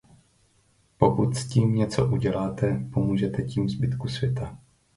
Pokud s tím něco uděláte, pomůžete tím zbytku světa.